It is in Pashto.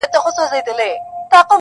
مرغه نه سي څوک یوازي په هګیو،